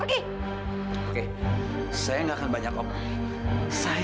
suara pake terruka jawaban carfully